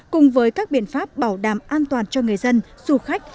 cùng với các biện pháp bảo đảm an toàn cho người dân du khách